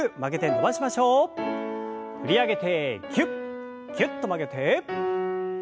振り上げてぎゅっぎゅっと曲げて。